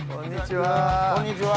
こんにちは。